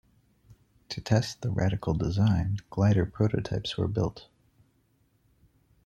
To test the radical design, glider prototypes were built.